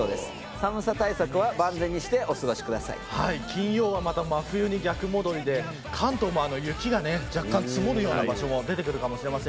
対策は万全にして金曜は、また真冬に逆戻りで関東も雪が若干積もるような場所も出てくるかもしれません。